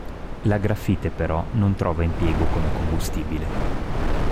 La grafite però non trova impiego come combustibile.